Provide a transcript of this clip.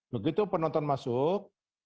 begitu penonton masuk